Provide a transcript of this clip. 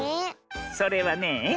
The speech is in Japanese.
それはねえ